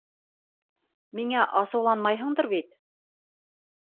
Миңә асыуланмайһыңдыр бит?